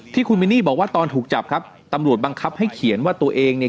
ที่คุณมินนี่บอกว่าตอนถูกจับครับตำรวจบังคับให้เขียนว่าตัวเองเนี่ย